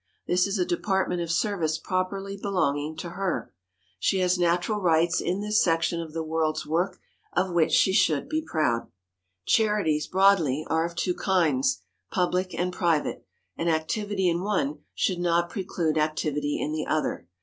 This is a department of service properly belonging to her. She has natural rights in this section of the world's work, of which she should be proud. [Sidenote: TWO KINDS OF CHARITIES] Charities, broadly, are of two kinds, public and private; and activity in one should not preclude activity in the other.